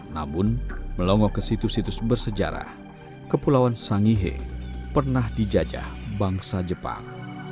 namun melongok ke situs situs bersejarah kepulauan sangihe pernah dijajah bangsa jepang